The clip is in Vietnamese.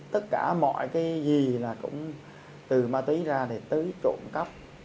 tất cả mọi cái gì là cũng từ ma túy ra thì tới trộn cấp